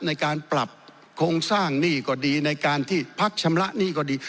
ในการปรับโครงสร้างหนี้ก็ดีในการที่พักชำระหนี้ก็ดี